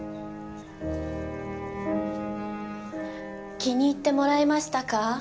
気に入ってもらえましたか？